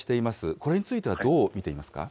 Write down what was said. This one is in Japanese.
これについてはどう見ていますか。